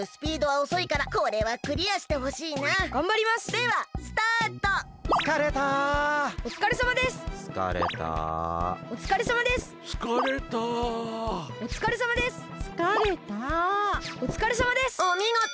おみごと！